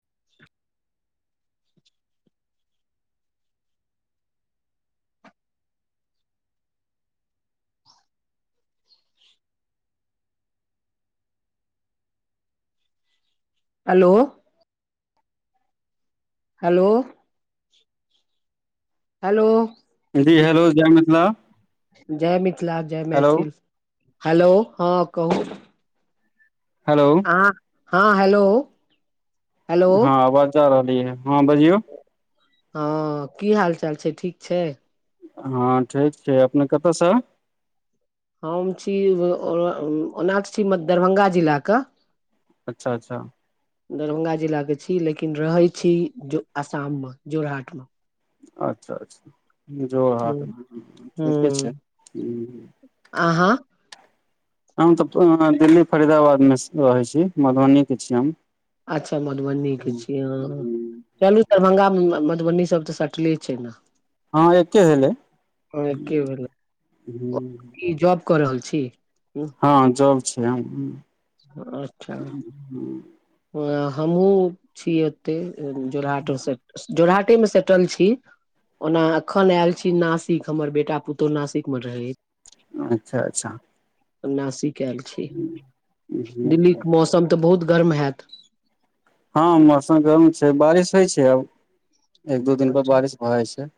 [inaudible] Hello. Hello hello. जी hello जय मिथिला। जय मिथिला जय हेलो मैथिल हेलो ह कहू, हेलो। हँ हेलो। हेलो हँ आवाज जा रहली है ह बजियऔ हँ की हाल चाल छै ठीक छै हँ ठीक छै अपने कतयसँ। हम छी ओना त छी म दरभंगा जिलाके अच्छा अच्छा दरभंगा जिलाके छी। लेकिन रहै छी। जो आसाममे जोरहाटमे अच्छा अच्छा जोरहाट मे ठीके छै ह ह अहाँ हम तऽ दिल्ली फरीदाबादमे रहै छी मधुबनीके छी हम अच्छा मधुबनी के हम्म, छी अहा हम्म। चलू दरभंगामे मधुबनीसभ तऽ सटले छै ने, हँ एके भेलै। ई जॉब कऽ रहल छी। हँ जाव छै। ह हमहु छी। एते जोरहटे जोरहटेमे सेटल छी। ओना अखन एल छी। नासिक हमर बेटा पुतोहु नासिक मे रहे- अच्छा अच्छा हम नाासिक ऐल छी। हम्म, हम्म, दिल्ली हम्म। के मौसम तऽ बहुत गर्म हेत हँ मौसम गरम छै। बारिश होइ छै। आब एक दू दिन पर बारिश भऽ जाइ छै।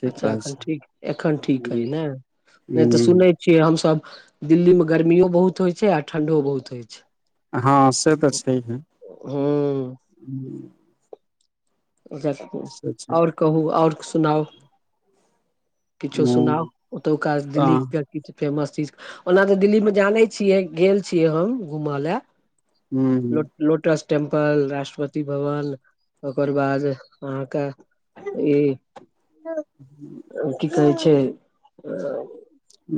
ठीक अच्छा रहै एखन ठीक एखन ठीक छै है ने नै तऽ ह सुनै से हमसभ दिल्ली में गर्मियो बहुत होइ छै। आर ठंडियो बहुत होइ छै। हँ से तऽ छैहे हुॅं हुॅं [inaudible] से छै आओर कहू आओर सुनाउ किछो सुनाउ ह ओतुका दिल्ली तऽ के किछ फेमस चीज ओना तऽ दिल्लीमे जानै छियै गेल छियै। हम घूमऽ ले हुॅं हुॅं लोटस टेम्पल राष्ट्रपति भवन ओकर बाद अहाँके ई [inaudible] अ की कहै छै।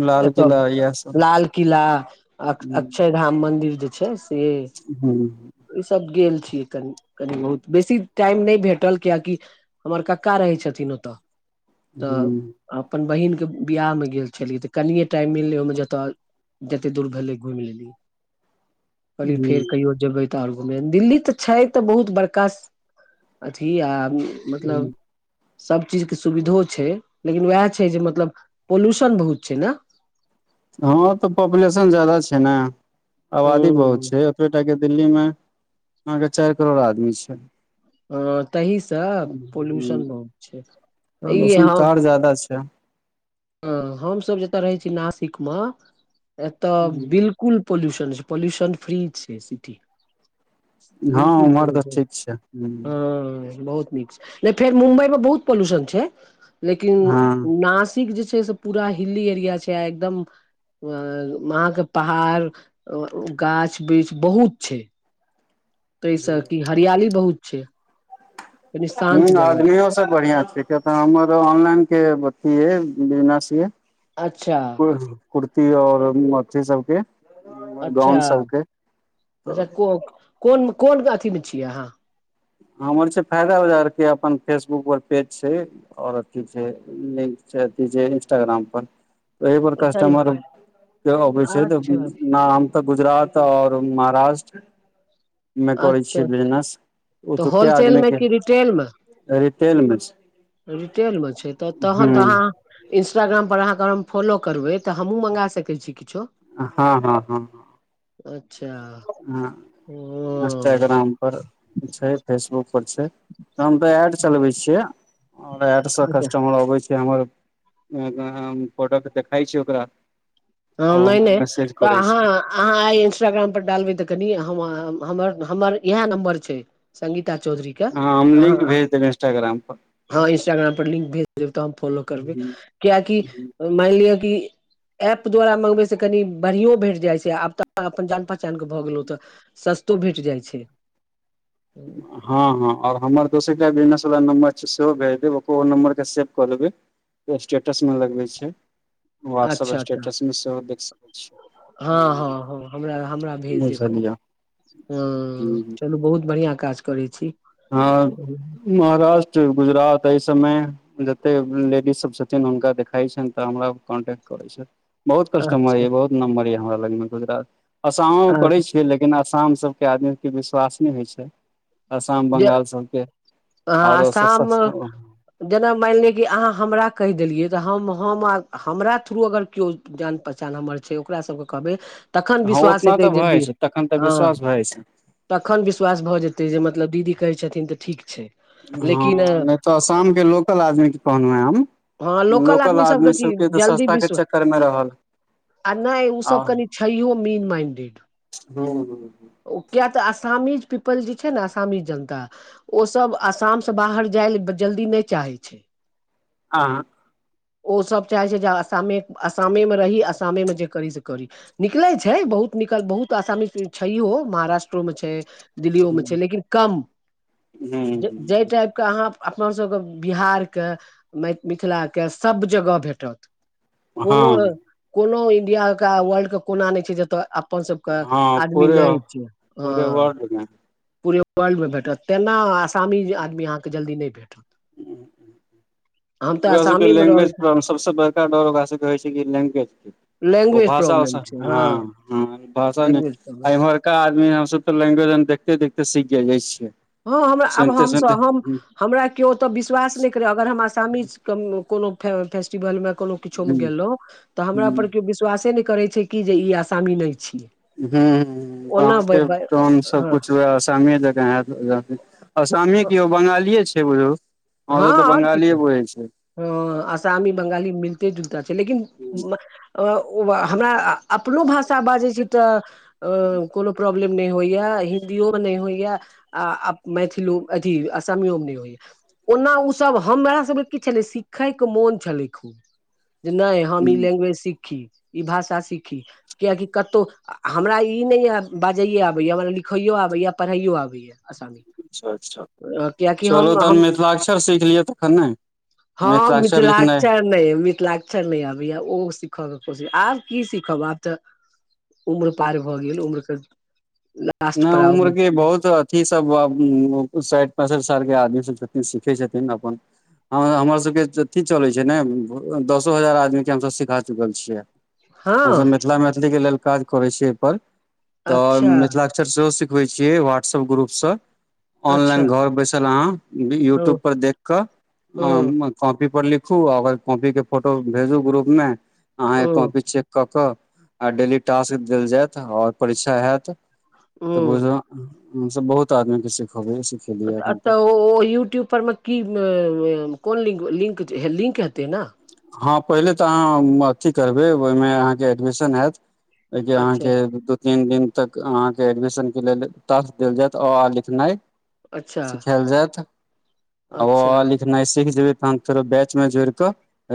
लाल तऽ किला इएह सब लाल किला ह अक्षय धाम मन्दिर जे छै। से ईसभ गेल छियै। कनि कनि बहुत बेसी टाइम नै भेटल कियकि हमर कक्का रहै छथिन। ओतऽ तऽ ह अपन बहिनके बियाहमे गेल छलियै। तऽ कनिए टाइम मिललै ओहिमे जतय जते दूर भेलै घुइम लेलीयै कहलियै फेर कहियो जेबै तऽ आओर घूमै दिल्ली तऽ छै। तऽ बहुत बड़का अथी आ मतलब सब चीज के सुविधो छै। लेकिन उएह छै। जे मतलब पोल्यूशन बहुत छै। ने हँ तऽ पॉपुलेशन जादा छै। ने आबादी बहुत हूँ छै। [unintelligible] टा के दिल्ली में अहां के चैर करोड़ आदमी छै। ह तहिसँ पोल्यूशन बहुत छै। ई ह जाद [inaudible] अ हमस जतय रहै छी नासिक मे एतय बिलकुल पॉल्यूशन छैए पॉल्यूशन फ्री छय सिटी हँ बिलकुल उम्हर तऽ ठीक छै हँ [inaudible] हँ बहुत नीक छै नय फेर मुम्बई मे बहुत पॉल्यूशन छै लेकिन ह न तेक जे छै से पूरा हिली एरिया छै एकदम वहाँ के पहाड़ गाछ वृक्ष बहुत छै ताहिसँ कि हरियाली बहुत छैय हूं आदमियो सब बढ़िआँ छैय किया त हमर ऑनलाइनकें अथी ये बिजनेस ये अच्छा कुर्ती और अथी सबके अच्छा गाउन सबके त अच्छा को कोन कोन अथीमे छियै अहाँ हमर छैय फायदा बाजार के अपन फेसबुक पर पेज छैय ओर अथी छै लिंक अथी छै इंस्टाग्राम पर ऐह बर ओतय कस्टमर के अबै छै तऽ अच्छा न हम तऽ गुजरात ओर महाराष्ट्र मे करै छियै अच्छा बिजनेस ओ तऽ तोकें होलसेल आदमी मे कें कि रिटेल रिटेल मे छैय रिटेलमे छैय त तहन त अहाँ इन्स्टाग्राम पर अहाँके हम फॉलो करबै त हमहुँ मँगा सकैत छी किछो हँ हँ हँ अच्छा हँ ओ इंस्टाग्राम पर छैय फेसबुकपर छैय हम त एड चलबैत छियै एड सँ अच्छा कस्टमर आबे छै हमर प्रोडक्ट देखैय छै ओकरा हँ ओ नय- हमरा नय मैसेज त करै अहाँ छै अहाँ आइ इंस्टाग्राम पर डालबै त कनि हमर हमर इहाय नम्बर छै संगीता चौधरी के हँ हम अहाँ लिंक भेज देबैय इंस्टाग्राम पर हँ इंस्टाग्राम पर लिंक भेज देबैय त हम फॉलो करबै किआकि माइन लिअ कि ऐप द्वारा मंगबैतसे कनि बढ़ियो भेट जाइत छै आब तऽ अपन जान पहिचानके भ गेलहु त सस्तो भेट जाय छैय हँ हँ और हमर दोसर बिजनेस वला नम्बर छै सेहो भेज देब ओहो नम्बर के सेव कऽ देेबैय स्टेटस में लगबैत छैय वाट्सप अच्छा अच्छा स्टेटस मे सेहो देख सकैत छी हँ हँ हँ हमरा हमरा भेज दैब कनि बुझलियै हँ चलू बहुत बढ़िया काज करै छी हँ महाराष्ट्र गुजरात एहि सबमें जतेक लेडीज सब छथिन हुनका देखाइत छैनि तऽ हमरा कॉन्टेक्ट करैत छैय बहुत कस्टमर ये अच्छा बहुत नम्बर ये हमरा लगमे गुजरातके अयसैंयो आ करै छी हे लेकिन असम सबकें आदमीके विश्वास नय होइ छैय जे [inaudible] अहां आरो असाम जेना माइन लिअ कि अहाँ हमरा कहिदेलियै त हम हम हमरा थ्रू अगर किओ जान पहचान हमर छैत ओकरासभके कहबै तखन हँ विश्वास उतना हेतैय तऽ भए जेभि छै तखन तऽ हँ विश्वास भए छै तखन विश्वास भऽ जेतैय जे मतलब दीदी कहैत छथिन त ठीक छैय हँ नय तऽ असामकें लोकल आदमीे कहलहुँ हेँ हम लोकल आदमी सबके त सस्ता कें चक्कर में रहल अ नहि ओ सभ कनिक छैयोह मेन माइंडेड हू। किया तऽ असामी पीपल जे छैय नेय असामी जनता ओसब आसामसे बाहर जायलेल जल्दी नहि चाहै छैय आ ओसब चाहैत छै जे आसामे आसामे मे रही आसामे जे करी सँ करी निकलैत छै बहुत निकल, बहुत आसामी छैयहो महाराष्ट्र ओमे छैय दिल्ली ओ मे छै लेकिन कम, जाहि टाइप। हा अपनसभके बिहारके मिथ मिथिलाके सभ जगह भेटत कोनो हँ कोनो इन्डियाके वर्ल्डके कोना नहि छै जतय अप अपन सभके हँ आदमी पूरे नहि छै ह पूरे वर्ल्ड मे पुरे वर्ल्डमे भेटत तेना आसामी आदमी अहाँकेँ जल्दी नहि भेटत। [inaudible] हम तऽ ओकरा सभके आसामेमे रहल लैग्वेज छी पर सभसँ बड़का डर ओकरा सभके होई छै कि लैग्वेज के ओ लैंग्वेज भाषा प्रॉब्लम छै हँ लैंग्वेज प्रॉब्लम भाषामहर ओतोका आदमीके हम तऽ लैग्वेज देखते देखते सीख जाई छियै हँ हमरा आब सुनते सुनते हमसभ हम ह हमरा केओ ओतऽ विश्वास नहि करैत अगर हम आसामी कोनो फेस्टिवल मे कोनो किछो ह मे गेलहुँ तऽ हमरा पर केओ विश्वासे नहि करैत छै कि जे ई आसामी नहि अछि हूँ हूँ गामके टाउन हँ सभकुछ उहे आसामी जँका हैयत असामिकि यौ बंगालिये छिये बुझू हमसभ तऽ बंगालिए बुझैत छिये ह असामी बंगाली मिलते जुलताे छै लेकिन हमरा अपनो भाषा बाजै छी तऽ कोनो प्रब। नहि होइय हा हिन्दीयो मे नै नहि होइय हा आ मैथिलो अथी असामियो मे नहि होई ओना ओ सभ हमरा सभके कि छलै सिखै के मोन छलै ख जे नहि हम ई हूँ लैग्वेज सीखी ई भाषा सीखी कियकि कतहु हमरा ई नहि बाजैए आबैए हमरा लिखैयो आबैए पढ़ैओ आबैए। असामी। अच्छा अच्छा चलू तहन मिथिला क्षर सीख लियै तखन ने ह मिथिलाक्षर मिथिल लिखनाइ लचार नहि मिथिल लऽ अच्छा नहि आबैया ओ सीखयके कोशिश आब कि सीखब आब तऽ उम्र पार भऽ गेल उम्रके। नहि उमर के बहुत। कि सभ साठि पैंसठि साल के आदमी सभ छथिन सिखै छथिन अपन ह हमर सभके अथी चलैत छै ने दसो हजार आदमी के हमसभ सिखा चुकल छियै हमसभ हँ मिथिला मैथिलीके लेलऽ काज करै छियै एहिपर अच्छा तऽ अक्षर सिखबे छियै व्हाटसप ग्रुप से। अच्छा ऑनलाइन घर बैसल अहाँ हँ यूट्यूब पर देख कऽ हँ हम। कॉपी पर लिखु ओकर कॉपी के फोटो भेजू ग्रुप मे ओ अहाँकेँ कॉपी चेक कऽ आ डेली टास्क देल जायत आओर परीक्षा हत ओ तऽ बुझलो हम सभ बहुत आदमी के सिखेबेख छी तऽ यूट्यूब पर मे कि कोन लिक हेतै ने हँ पहिले तऽ अहाँ अथी करबै ओहिमे अहाँकेँ एडमिशन हयत ओइ के अहाँ के अच्छा विद्युत तीन दिन तक अहाँके एडमिशन के लेल टाकस देल जायत अ आ लिखनाइ अच्छा सिखएल जएत अ अच्छा आ लिखनाइ सीख जेबै तहन फेरो बैचमे जोड़ि कऽ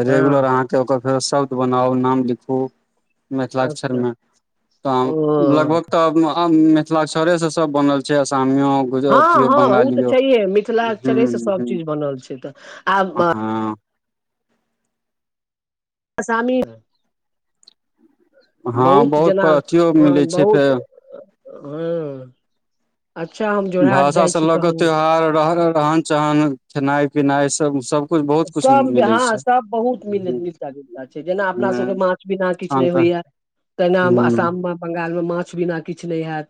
हँ रेगुलर अहाँके ओकर फेरो शौत बनाउ नाम लिखू मिथिला अच्छा अकक्षरमे तऽ ओ लगभग तबअम मिथिला अक्षरे स सब बनल छै आसामियो हँ गुजरातीयो हँ ओ तऽ बंगालीयो छैहे मिथिलाक्षरे से हूँ सब चीज हूँ बनल छै तऽ आब अ, हँ असामी मे हँ बहुत जेना पर अथियो मिलै छै बहुत फेर हँ अच्छा हम जोरहाट भाषाँ जाइ छी लऽ कऽ तहन त्यौहार रह रहन सहन खेनाइ पिनाइ सब उसब सब हॅं सब बहुत मिलती मिथिला जेना अपना सबके माछ बिना किछु हँ नै तऽ होइहा तेना आसाममे बंगाल मे माछ बिना किछु नै हएत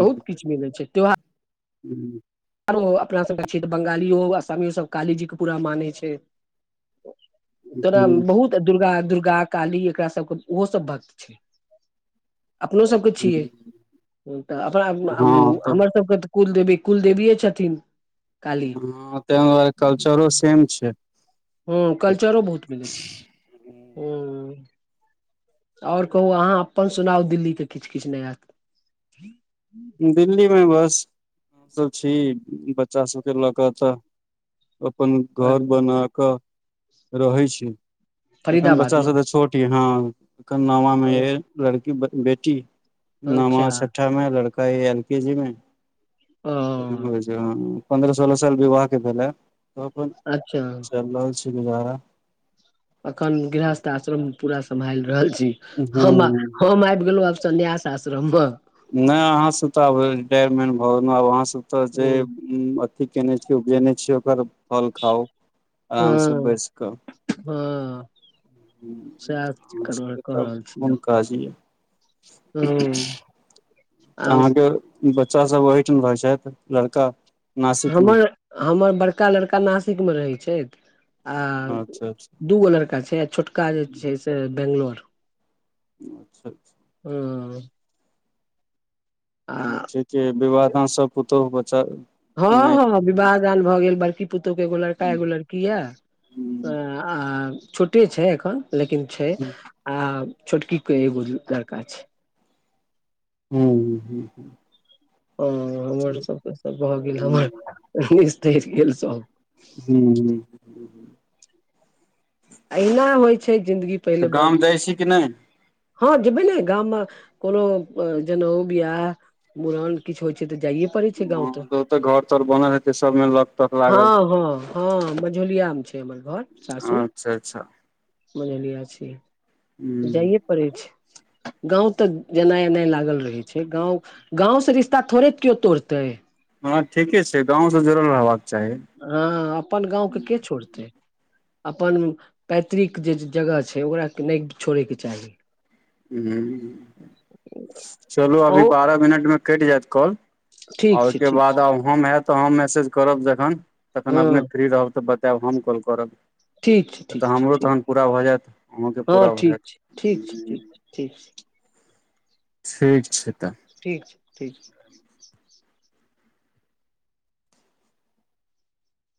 बहुत किछु मिलै छै त्योहा हूँ आरो अपना सबके छियै तऽ बंगालियो आसामियो सब काली जी के पूरा मानै छै तोऽरा बहुत दुर्गा दुर्गा काली एकरा सबके ओहोसब भक्त छै अपनो सबके छियै तऽ अपना हँ हमर सबके तऽ कुलदेवी कुलदेवीेये छथिन काली हूँ तैं दुवारे कल्चरो सेम छै हूँ कल्चरो बहुत मिलै छै हूँ आओर कहू अहाँ अपन सुनाउ दिल्लीके किछ किछ नया दिल्ली मे बस हमसब छी बच्चा सबके लऽ कऽ तऽ अपन घर बना कऽ रहै छी एखन फरीदाबाद बच्चा मे सब तऽ छोट यै हँ एखन नामा मे यै लड़की बेटी नामा अच्छा छठा मे लड़का अई एल पी जी मे ओ कथि कहै छै हँ पंन्द्रह सोलह साल विवाह के भेलए त अपन अच्छा चैल रहल छै गुजारा अखन गृहस्थ आश्रम पूरा सम्भालि रहल छी हम हूँ हम आबि गेलहुँ आब सन्यास सासरम्भा नै अहाँ सब तऽ आब रिटायरमेंट भऽ गेलौ आब अहाँ सब तऽ जे अथी केने छीय उपजेने छियै ओकर फल खाउ आराम स हँ बैस क हँ सएह कऽ रहल छी आब भाजी हूँ तऽ अहाँके बच्चा सब ओहिठाम रहै छथि लड़का नासिक मे हमर हमर बड़का लड़का नासिकमे रहै छथि आ अच्छा अच्छा दू गो लड़का छै आ छोटका जे छै से बेंगलौर अच्छा अच्छा आँ ठीके विवाह दान सब पुतहु बच्चा हँ नहि हँ विवाह दान भऽ गेल बड़की पुतहु के एगो लड़का एगो लड़की किया हूँ आ छोटे छै एखन लेकिन छै आ छोटकी के एगो लड़का छै हूँ हूँ हूँ हूँ ह हमर सब त सब भऽ गेल हमर गेल सब हू हु अहिना होइ छै जिन्दगी तऽ पहिले गाम जाइ छी कि नहि हँ जेबै न गाम कोनो जनौ बिआह मुड़न किछो होइ छै तऽ जाइयए छै गौंव त हँ तऽ ओतऽ घर तर बनल हेतै सबमे लक तक लागल हँ हँ हँ मझोलियामे छै हमर घर सासुर अच्छा अच्छा मझौलिया छै हूँ जाइए पड़ै छै गाँव तऽ जेनाइ एनाय लागल रहै छै गाँव गाँवसँ रिश्ता थोड़े केओ तोड़तै हँ ठीके छै गाँवसँ जुड़ल रहबाक चाही हँ अपन गाँवके के छोड़तै अपन पैतृक जे जगह छै ओकरा नहि छोड़यके चाही ह चलू अभी अहूँ बारह मिनटमे कटि जायत कॉल ठीक आ छै ओहिके ठीक छै बाद आब हम हयत तऽ हम मैसेज करब जखन तखन हँ अपने फ्री रहब तऽ बच तेब हम कॉल करब ठीक छै ठीक तऽ छै हमरो ठीक तहन पूरा भऽ जायत अहुंके हँ पूरा भऽ ठीक जायत छै ठीक छै ठीक ठीक छै ठीक छै तऽ ठीक छै ठीक छै